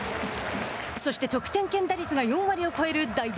そして得点圏打率が４割を超える代打